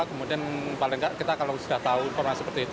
kemudian paling tidak kita kalau sudah tahu informasi seperti itu